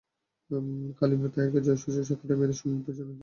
কাল ইমরান তাহিরকে জয়সূচক ছক্কাটা মেরে সৌম্য পেছনে ফেলে দিলেন আশরাফুলকে।